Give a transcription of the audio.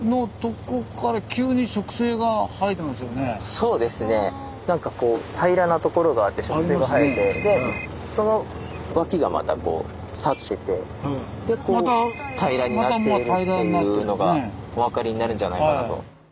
そうですねなんかこう平らなところがあって植生があってでその脇がまたこう立っててでこう平らになっているというのがお分かりになるんじゃないかなと。